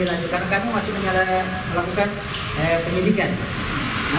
untuk memuentialah scripture yang official